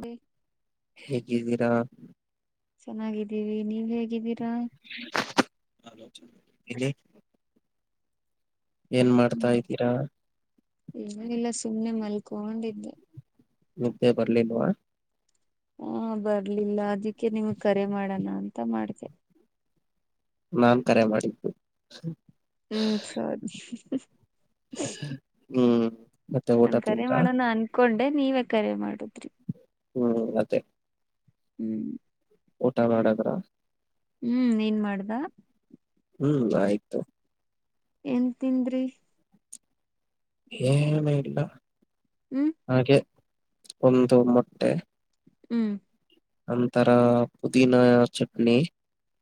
B [unintelligible] ಹೇಗಿದ್ದೀರಾ. ಚೆನ್ನಾಗಿದ್ದೀವಿ ನೀವ್ ಹೇಗಿದ್ದೀರಾ ಇಲ್ಲಿ ಏನ್ ಮಾಡ್ತಾ ಹ್ಮ್ ಇದ್ದೀರಾ ಏನು ಇಲ್ಲಾ ಸುಮ್ಮ್ನೆ ಮಲ್ಕೊಂಡಿದ್ದೆ ನಿದ್ದೆ ಬರ್ಲಿಲ್ಲವಾ ಹಾ ಬರ್ಲಿಲ್ಲಾ ಅದಕ್ಕೆ ನಿಮ್ ಕರೆ ಮಾಡೋಣ ಅಂತ ಮಾಡ್ತದೇ ನಾನ್ ಕರೆ ಮಾಡಿದ್ದು ಹುಂ ಸರಿ ಹುಂ ನಾನ್ ಕರೆ ಮಾಡೋಣ ಅನ್ಕೊಂಡೆ ನೀವೇ ಕರೆ ಮಾಡದ್ರಿ ಹುಂ ಮತ್ತೆ ಹೂಂ ಊಟಾ ಮಾಡಿದ್ರಾ ಹುಂ ಏನ್ ಮಾಡ್ದಾ ಹುಂ ಆಯ್ತು ಏನ್ ತಿಂದ್ರಿ ಏನ ಇಲ್ಲಾ ಹೂಂ ಹಾಗೆ ಒಂದು ಮೊಟ್ಟೆ ಹುಂ ಒಂದತರಾ ಪುದೀನಾ ಚಟ್ನಿ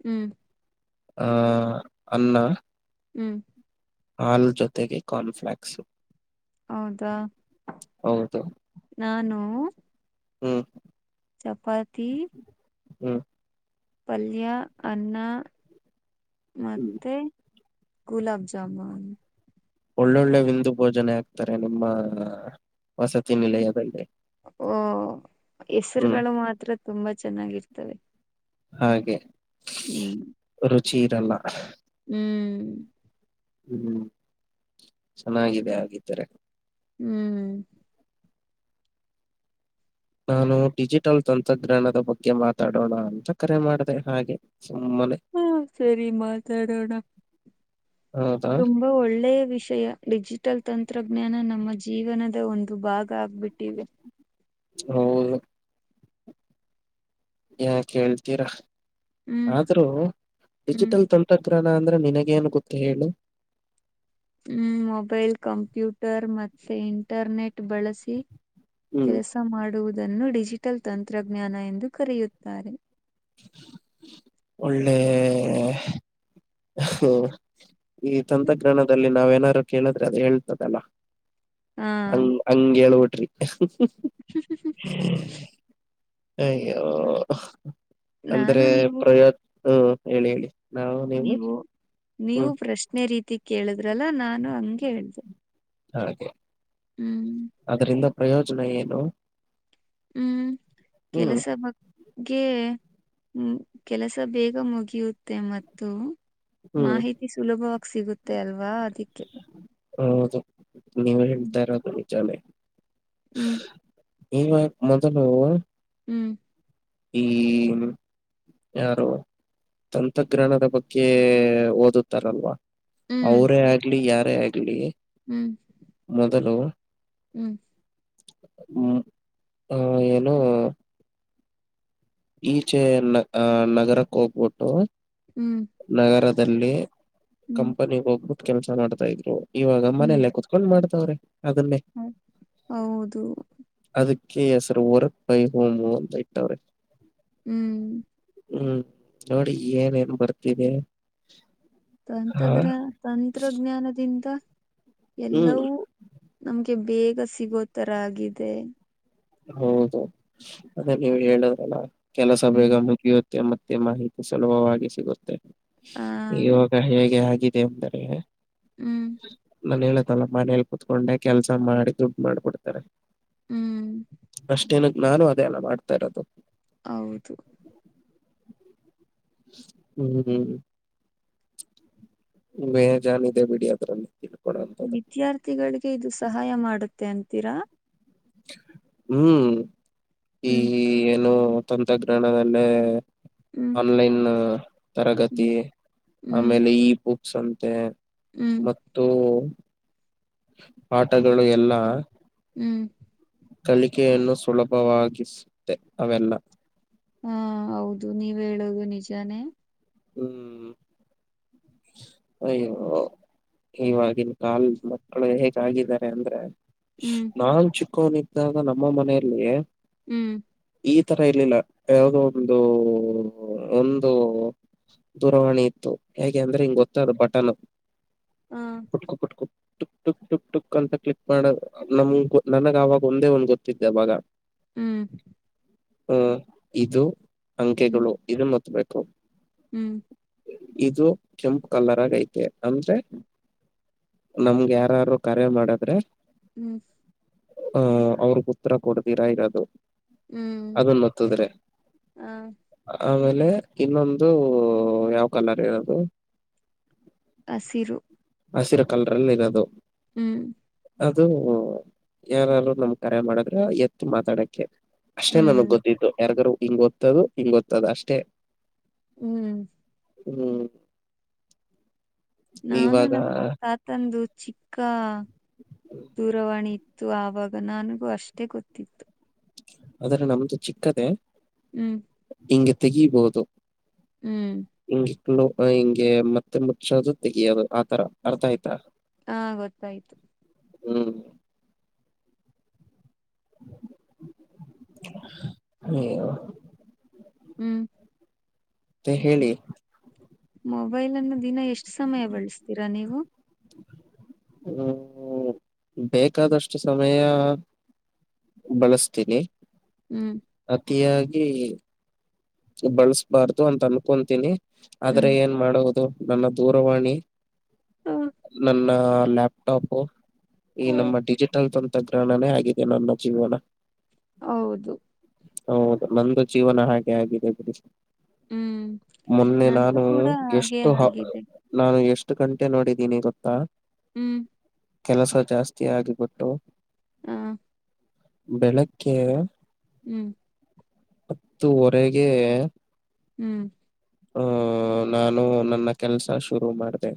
ಹುಂ ಆ ಅನ್ನಾ ಹುಂ ಹಾಲ್ ಜೊತೆಗೆ ಕಾನ್ ಪ್ಲೆಕ್ಸ್ ಹೌದಾ ಹೌದು ನಾನು ಹುಂ ಚಪಾತಿ ಹ್ಮ್ ಪಲ್ಯಾ ಅನ್ನಾ ಹ್ಮ್ ಮತ್ತೆ ಗುಲಬ ಜಾಮುನ್ ಒಳ್ಳೊಳ್ಳೆ ವಿಂದು ಭೋಜನೆ ಆಗ್ತಾರೆ ನಿಮ್ಮ ವಸತಿ ನಿಲಯದಲ್ಲಿ ಓ ಹ್ಮ್ ಹೆಸರುಗಳು ಮಾತ್ರ ತುಂಬಾ ಚೆನ್ನಾಗಿರ್ತವೆ. ಹಾಗೆ ರುಚಿ ಇರಲ್ಲಾ ಹುಂ ಹುಂ ಚೆನ್ನಾಗಿದೆ ಆಗಿದ್ದಾರೆ ಹುಂ ನಾನು ಡಿಜಿಟಲ್ ತಂತ್ರಜ್ಞಾನದ ಬಗ್ಗೆ ಮಾತಾಡೋಣ ಅಂತ ಕರೆ ಮಾಡಿದೆ ಹಾಗೆ ಸುಮನೆ ಹಾ ಸರಿ ಮಾತಾಡೋಣಾ ಹೌದಾ ತುಂಬಾ ಒಳ್ಳೆಯ ವಿಷಯ ಡಿಜಿಟಲ್ ತಂತ್ರಜ್ಞಾನ ನಮ್ಮ ಜೀವನದ ಒಂದು ಭಾಗ ಆಗ್ಬಿಟ್ಟಿದೆ ಹೌದು ಯಾಕ ಕೇಳ್ತೀರಾ ಹ್ಮ್ ಆದ್ರೂ ಹ್ಮ್ ಡಿಜಿಟಲ್ ತಂ ತಂತ್ರಜ್ಞಾನ ಅಂದ್ರೆ ನಿನಗ ಏನ್ ಗೊತ್ತ ಹೇಳು ಹುಂ ಮೊಬೈಲ್, ಕಂಪ್ಯೂಟರ್ ಮತ್ತೆ ಇಂಟರ್ನೆಟ್ ಬಳಸಿ. ಹ್ಮ್ ಕೆಲಸ ಮಾಡುವುದನ್ನು ಡಿಜಿಟಲ್ ತಂತ್ರಜ್ಞಾನ ಎಂದು ಕರೆಯುತ್ತಾರೆ. [unintelligible] ಒಳ್ಳೆ ಹ್ಮ ಈ ತಂತ್ರಜ್ಞಾನದಲ್ಲಿ ನಾವ್ ಏನಾರು ಕೇಳಿದ್ರೆ ಅದು ಹೇಳ್ತದಲ್ಲ. ಹಾ ಹಂಗ್ ಹಂಗ ಹೇಳ್ಬಿಟ್ರಿ. [unintelligible] ಅಯ್ಯೋ ನಾನು ಅಂದ್ರೆ ನೀವು ಪ್ರಯತ್ನ ಹೇಳಿ ಹೇಳಿ. ನೀವು ನೀವು ಹ್ಮ್ ಪ್ರಶ್ನೆ ರೀತಿ ಕೇಳಿದ್ರಲ್ಲ ನಾನು ಹಂಗೆ ಹೇಳದೆ. ಹಾಗೆ. ಹ್ಮ್. ಅದರಿಂದ ಪ್ರಯೋಜನ ಏನು ಹ್ಮ್ ಹ್ಮ್ ಕೆಲಸ ಬ ಗ್ಗೆ ಹ್ಮ ಕೆಲಸ ಬೇಗ ಮುಗಿಯುತ್ತೆ ಮತ್ತು ಹ್ಮ್ ಮಾಹಿತಿ ಸುಲಭವಾಗಿ ಸಿಗುತ್ತೆ ಅಲ್ವಾ ಅದಕ್ಕೆ. ಹೌದು ಹ್ಮ್ ನೀವೇಳ್ತಾ ಇರದು ನಿಜಾನೆ. ಹ್ಮ್. ಈವಾಗ ಮೊದಲು ಹ್ಮ್. ಈ ಮ್ ಯಾರು ತಂತ್ರಜ್ಞಾನದ ಬಗ್ಗೆ ಓದುತ್ತಾರಲ್ವಾ ಹ್ಮ್ ಅವರೇ ಆಗ್ಲಿ ಯಾರೇ ಆಗ್ಲಿ ಹ್ಮ್. ಮೊದಲು ಹ್ಮ್ ಹ್ಮ ಅ ಏನು ಈಚೆ ನ ಅ ನಗರಕ್ಕ ಹೋಗ್ಬಿಟ್ಟು ಹ್ಮ್ ನಗರದಲ್ಲಿ ಹ್ಮ್ ಕಂಪನಿಗ ಹೋಗ್ಬಿಟ್ಟು ಕೆಲ್ಸ ಮಾಡ್ತಾ ಇದ್ರು ಇವಾಗ ಮನೇಲ್ಲೇ ಕುತ್ ಕೊಂಡ್ ಮಾಡ್ತವ್ರೆ ಅದನ್ನೇ ಹ್ಮ ಹೌದು. ಅದಕ್ಕೆ ಹೆಸರು ವರಕ್ಕ ಬೈ ಹೋಮು ಅಂತ ಇಟ್ಟವ್ರೆ ಹ್ಮ್ ಹ್ಮ್ ನೋಡಿ ಏನೇನ್ ಬರ್ತಿದೆ ಹಾ ತಂತ್ರಜ್ಞ ತಂತ್ರಜ್ಞಾನದಿಂದ ಹ್ಮ್ ಎಲ್ಲವೂ ನಮ್ಗೆ ಬೇಗ ಸಿಗೋ ತರ ಆಗಿದೆ. ಹೌದು ಅದೇ ನೀವು ಹೇಳದ್ರಲ್ಲ ಕೆಲಸ ಹ್ಮ್ ಬೇಗ ಮುಗಿಯ ತ್ತೆ ಮತ್ತೆ ಮಾಹಿತಿ ಸುಲಭವಾಗಿ ಸಿಗುತ್ತೆ. ಆ ಇವಾಗ ಹೇಗೆ ಆಗಿದೆ ಅಂದರೆ ಹ್ಮ್ ಮನೆಲ್ ಮನೇಲ ಕುತ್ಕೊಂಡೆ ಕೆಲ್ಸ ಮಾಡಿ ದುಡ್ ಮಾಡ್ಬಿಡ್ತಾರೆ. ಹ್ಮ್ ಬೆಸ್ಟ್ ಏನಕ್ಕ ನಾನು ಅದೆ ಅಲ್ಲ ಮಾಡ್ತಾ ಇರೋದು ಹೌದು. ಹ್ಮ್ ಬೆಜಾನಿದೆ ಬಿಡಿ ಅದ್ರಲ್ಲಿ. ತಿಳ್ಕೊಳೋಂಥದ್ದು ವಿದ್ಯಾರ್ಥಿಗಳಿಗೆ ಇದು ಸಹಾಯ ಮಾಡತ್ತೆ ಅಂತೀರಾ. ಹ್ಮ್ ಈ ಹ್ಮ್ ಏನು ತಂತ್ರಜ್ಞಾನದಲ್ಲೇ. ಹ್ಮ್ ಆನ್ಲೈನ್ ತರಗತಿ ಹ್ಮ್ ಹ್ಮ್ ಆಮೇಲೆ ಇ ಬುಕ್ಸ್ ಅಂತೆ. ಹ್ಮ್ ಮತ್ತು ಪಾಠಗಳು ಎಲ್ಲ. ಹ್ಮ್ ಕಲಿಕೆಯನ್ನು ಸುಲಭವಾಗಿಸುತ್ತೆ ಅವೆಲ್ಲ. ಹಾ ಹೌದು ನೀವ್ ಹೇಳದು ನಿಜಾನೇ. ಹ್ಮ್ ಅಯ್ಯೋ. ಇವಾಗಿನ ಕಾಲ್ದ್ ಮಕ್ಳು ಹೇಗ ಆಗಿದ್ದಾರೆ ಅಂದ್ರೆ. ಹ್ಮ್ ನಾನ್ ಚಿಕ್ಕೋನಿದಾಗ ನಮ್ಮ ಮನೆಯಲ್ಲಿ. ಹ್ಮ್ ಈ ತರ ಇರ್ಲಿಲ್ಲಾ ಯಾವುದೋ ಒಂದು ಒಂದು. ದೂರವಾಣಿ ಇತ್ತು ಹೇಗೆ ಅಂದ್ರೆ ಹಿಂಗ ಗೊತ್ತಾದು ಬಟನ್ ಕುಟ್ಕೊ ಕುಟ್ಕು. ಟುಕ್ ಟುಕ್ ಟುಕ್ ಟುಕ್ ಅಂತ ಕ್ಲಿಕ್ ಮಾಡ ನಮ್ ನನಗ ಅವಾಗ ಒಂದೇ ಒಂದು ಗೊತ್ತಿದ್ದೆವಾಗ. ಹ್ಮ್ ಹ್ಮ ಇದು ಹ್ಮ್ ಅಂಕೆಗಳು ಇದನ್ನು ಹೊತ್ಬೇಕು. ಹ್ಮ್ ಇದು ಕೆಂಪು ಕಲರ್ ಆಗ ಐತೆ ಅಂದ್ರೆ. ನಮ್ಗೆ ಯಾರಾರು ಕರೆ ಮಾಡದ್ರೆ. ಹ್ಮ್ ಹ ಅವ್ರಗ್ ಉತ್ತರ ಕೊಡ್ತೀರಾ ಇರೋದು. ಹ್ಮ್ ಅದೊನ್ ಮತ್ತುದ್ರೆ ಆಮೇಲೆ. ಇನ್ನೊಂದು ಯಾವ್ ಕಲರ್ ಇರೋದು. ಹಸಿರು. ಹಸಿರು ಕಲ್ ರಲ್ ಇರೋದು. ಹ್ಮ್ ಅದು ಯಾರಾದರು ನಮ್ ಕರೆ ಮಾಡಿದ್ರೆ ಎತ್ತು ಮಾತಾಡಕ್ಕೆ. ಅಷ್ಟೇ ಹ್ಮ್ ನನಗ್ ಗೊತ್ತಿದ್ದು ಯಾರ್ಗಾರೂ ಹಿಂಗ ಹೊತ್ತದು ಹಿಂಗ ಹೆಂಗೋತ್ತದು ಅಷ್ಟೇ. ಹ್ಮ್ ಹ್ಮ್ ನಾನು ಇವಾಗ ನಮ್ಮ ತಾತಂದು ಚಿಕ್ಕ. ದೂರವಾಣಿ ಇತ್ತು ಆವಾಗ ನನಗೂ ಅಷ್ಟೇ ಗೊತ್ತಿತ್ತು. ಆದದ್ರೆ ನಮ್ದು ಚಿಕ್ಕದೆೇ. ಹ್ಮ್ ಹಿಂಗೆ ತೆಗಿಬಹುದು. ಹ್ಮ್ ಹಿಂಗೆ [unintelligible] ಹಿಂಗೆ ಮತ್ತೆ ಮುಚ್ಚೋದು ತೆಗಿಯೋದು ಆತರ ಅರ್ಥ ಆಯ್ತಾ. ಹಾ ಗೊತ್ತಾಯ್ತು. ಹ್ಮ್ ಅಯ್ಯೊ ಹ್ಮ್ ಮತ್ತೆ ಹೇಳಿ. ಮೊಬೈಲ್ ಅನ್ನು ದಿನ ಎಷ್ಟು ಸಮಯ ಬಳಸ್ತೀರಾ ನೀವು. ಹು ಬೇಕಾದಷ್ಟು ಸಮಯ ಬಳಸ್ತೀನಿ. ಹ್ಮ್ ಅತಿಯಾಗಿ. ಬಳ್ಸಬಾರ್ದು ಅಂತ ಅನ್ಕೊತೀನಿ ಆದ್ರೆ ಹ್ಮ್ ಏನ್ ಮಾಡುವುದು ನನ್ನ ದೂರವಾಣಿ. ನನ್ನ ಲ್ಯಾಪ್ಟಾಪ ಈ ನಮ್ಮ ಡಿಜಿಟಲ್ ತ ತತ್ರ ಹಣನೇ ಆಗಿದೆ ನನ್ನ ಜೀವನ. ಹೌದು. ಹೌದು ನಂದು ಜೀವನ ಹಾಗೆ ಆಗಿದೆ ಬಿಡಿ. ಹ್ಮ್ ಮೊನ್ನೆ ನಂದು ನಾನು ಕೂಡ ಹಾಗೆ ಎಷ್ಟು ಹ. ಆಗಿದೆ ನಾನು ಎಷ್ಟು ಗಂಟೆ ನೋಡಿದ್ದೀನಿ ಗೊತ್ತಾ. ಹ್ಮು. ಕೆಲಸ ಜಾಸ್ತಿ ಆಗಿಬಿಟ್ಟು. ಹ್ಮ್. ಬೆಳಕ್ಕೇ. ಹ್ಮ್. ಹತ್ತುವರೆಗೆ. ಹ್ಮ್. ಹ ನಾನು ನನ್ನ ಕೆಲ್ಸ ಶುರು ಮಾಡ್ದೇ.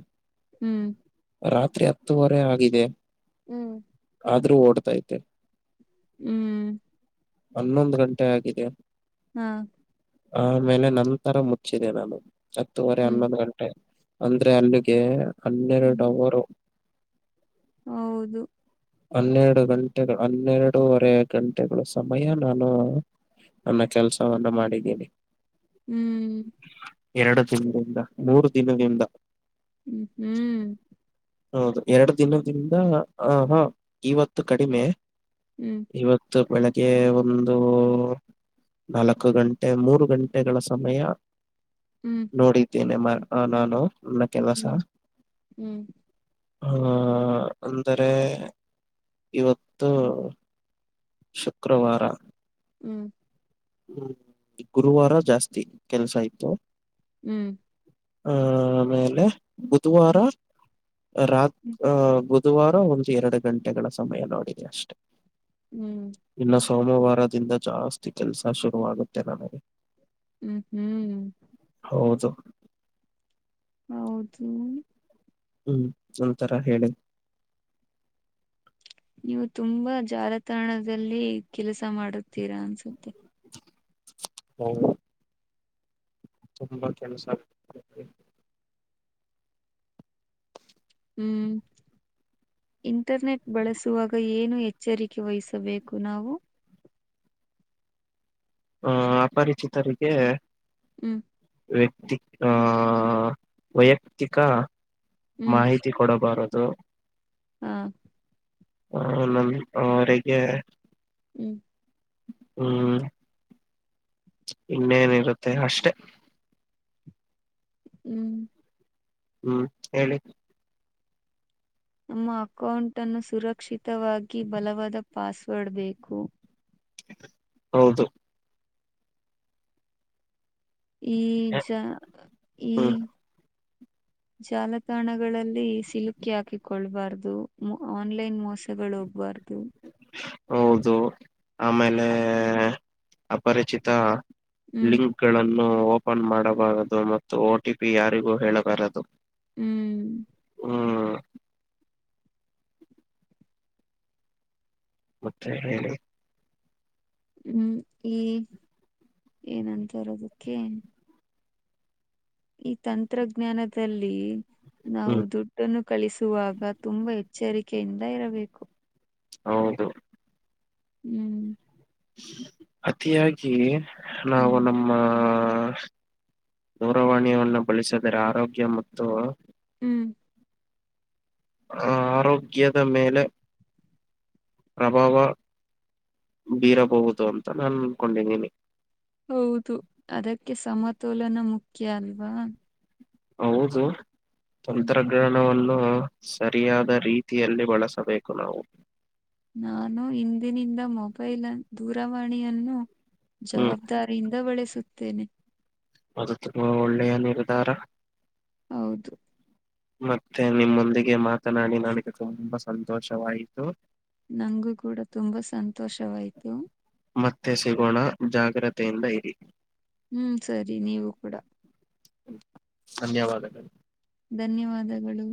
ಹ್ಮ್. ರಾತ್ರಿ ಹತ್ತುವರೆ ಆಗಿದೆ. ಹ್ಮ್. ಆದ್ರೂ ಓಡ್ತೈತೆ. ಹ್ಮ್. ಹನ್ನೊಂದು ಗಂಟೆ ಆಗಿದೆ. ಹಾ. ಆಮೇಲೆ ನಂತರ ಮುಚ್ಚಿದೆ ನಾನು ಹತ್ತೂವರೆ ಹ್ಮ್ ಹನ್ನೊಂದು ಗ ಟ ಅಂದ್ರೆ ಅಲ್ಲಿಗೆ ಹ್ಮ್ ಹನ್ನೆರಡು ಅವರು. ಹೌದು. ಹನ್ನೆರಡು ಗಂಟೆಗಳು ಹನ್ನೆರಡೂವರೆ ಗಂಟೆಗಳು. ಸಮಯ ನಾನು ನನ್ನ ಕೆಲ್ಸವನ್ನ ಮಾಡಿದಿನಿ. ಹ್ಮ್. ಎರಡು ದಿನದಿಂದ ಮೂರು ದಿನದಿಂದ. ಹ್ಮ ಹ್ಮ್. ಹೌದು ಎರಡು ದಿನದಿಂದ ಆ ಹಾ ಇವತ್ತು ಕಡಿಮೆ. ಹ್ಮು. ಇವತ್ತು ಬೆಳೆ ಗೆ ಒಂದು ನಾಲ್ಕು ಗಂಟೆ ಮೂರು ಗಂಟೆಗಳ ಸಮಯ. ಹ್ಮ್ ನೋಡಿದ್ದೇನೆ ಮಾ ನಾನು. ಮ ಕೆಲ್ಲಸ. ಹ್ಮ್ ಹ್ಮ್ ಹ್ಮ್ ಹ ಅಂದರೆ ಇವತ್ತು. ಶುಕ್ರವಾರ. ಹ್ಮ್. ಹ್ಮ್ ಗುರುವಾರ ಜಾಸ್ತಿ ಕೆಲ್ಸ ಆಯ್ತು. ಹ್ಮ್. ಆ ಆಮೇಲೆ ಬುಧವಾರ ಹ್ಮ್ ರಾತ್ ಆ ಬು ಧುವಾರ ಒಂದು ಎರಡು ಗಂಟೆಗಳ ಸಮಯ ನೋಡಿದೆ ಅಷ್ಟೆ. ಹ್ಮ್. ಇನ್ನು ಸೋಮವಾರದಿಂದ ಜಾಸ್ತಿ ಕೆಲಸ ಶುರುವಾಗುತ್ತೆ ನನಗೆ ಹ್ಮ್ ಹ್ಮ್ ಹೌದು ಹೌದು ಹ್ಮ್ ಒಂತರ ಹೇಳಿ ನೀವು ತುಂಬಾ ಜಾಲತಾಣದಲ್ಲಿ ಕೆಲಸ ಮಾಡುತ್ತೀರಾ ಅನ್ಸುತ್ತೆ [unintelligible] ತುಂಬಾ ಕೆಲಸ ಹ್ಮ್ ಇಂಟರ್ನೆಟ್ ಬಳಸುವಾಗ ಏನು ಎಚ್ಚರಿಕೆ ವಹಿಸಬೇಕು ನಾವು ಆ ಅಪರಿಚಿತರಿಗೆ ಹ್ಮ್ ವ್ಯಕ್ತಿ ಆ ವೈಯಕ್ತಿಕ ಹ್ಮ್ ಮಾಹಿತಿ [unintelligible] ಕೊಡಬಾರದು ಹ್ಮ್ ಹ ನಮ ಅವರಿಗೆ ಹ್ಮ್ ಹ್ಮ ಇನ್ನೇನಿರುತ್ತೆ ಅಷ್ಟೆ ಹ್ಮ್ ಹ್ಮ್ ಹೇಳಿ ನಮ್ಮ ಅಕೌಂಟ ಅನ್ನು ಸುರಕ್ಷಿತವಾಗಿ ಬಲವಾದ ಪಾಸ್ವರ್ಡ್ ಬೇಕು ಹೌದು ಈಜ ಈ ಹ್ಮ್ ಜಾಲತಾಣಗಳಲ್ಲಿ ಸಿಲುಕಿ ಹಾಕಿಕೊಳ್ಬಾರ್ದು ಆನ್ಲೈನ್ ಮೋಸಗಳು ಹೋಗಬಾರ್ದು ಹೌದು ಆಮೇಲೆ ಅಪರಿಚಿತ ಹ್ಮ್ ಲಿಂಕ್ ಗಳನ್ನು ಓಪನ್ ಮಾಡಬಾರದು ಮತ್ತು ಒ ಟಿ ಪಿ ಯಾರಿಗೂ ಹೇಳಬಾರದು ಹ್ಮ್ ಹ್ಮ ಮತ್ತೆ ಹೇಳಿ ಹ್ಮ್ ಈ ಏನಂತರೋದಕ್ಕೆ ಈ ತಂತ್ರಜ್ಞಾನದಲ್ಲಿ ನಾವು ಹ್ಮ್ ದುಡ್ಡನ್ನು ಕಳಿಸುವಾಗ ತುಂಬಾ ಎಚ್ಚರಿಕೆಯಿಂದ ಇರಬೇಕು ಹೌದು ಹ್ಮ್ ಅತಿಯಾಗಿ ನಾವು ಹ್ಮ್ ನಮ್ಮ ದೂರವಾಣಿಯನ್ನು ಬಳಸಿದರೆ ಆರೋಗ್ಯ ಮತ್ತು ಹ್ಮ್ ಅ ಆರೋಗ್ಯದ ಮೇಲೆ ಪ್ರಭಾವ ಬೀರಬಹುದು ಅಂತ ನಾನು ಅನ್ಕೊಂಡಿದ್ದೀನಿ ಹೌದು ಅದಕ್ಕೆ ಸಮತೋಲನ ಮುಖ್ಯ ಅಲ್ವಾ. ಹೌದು ಹ್ಮ್ ತಂತ್ರದ ಕಿರಣವನ್ನು ಸರಿಯಾದ ರೀತಿಯಲ್ಲಿ ಬಳಸಬೇಕು ನಾವು ನಾನು ಇಂದಿನಿಂದ ಮೊಬೈಲ್ ದೂರವಾಣಿಯನ್ನು ಹ್ಮ್ ಜವಾಬ್ದ ದಾರಿಇಂದ ಬಳೆಸುತ್ತೇನೆ ಅದು ತುಂಬಾ ಒಳ್ಳೆಯ ನಿರ್ಧಾರ. ಹೌದು ಮತ್ತೆ ನಿಮ್ಮೊಂದಿಗೆ ಮಾತನಾಡಿ ನನಗೆ ತುಂಬಾ ಸಂತೋಷವಾಯಿತು ನಂಗೂ ಕೂಡ ತುಂಬಾ ಸಂತೋಷವಾಯ್ತು. ಮತ್ತೆ ಸಿಗೋಣ ಜಾಗ್ರತೆಯಿಂದ ಇರಿ. ಹುಂ ಸರಿ ನೀವು ಕೂಡಾ ಧನ್ಯವಾದ ಧನ್ಯವಾದಗಳು